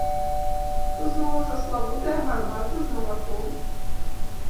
Зноў жа, славутая гарбата з малаком.